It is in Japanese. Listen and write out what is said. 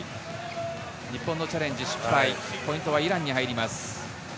日本のチャレンジ失敗、ポイントはイランに入ります。